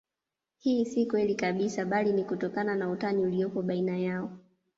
Hii si kweli kabisa bali ni kutokana na utani uliopo baina yao